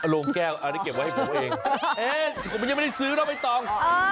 โรงแก้วอันนี้เก็บไว้ให้ผมเองผมยังไม่ได้ซื้อเนาะไม่ต้อง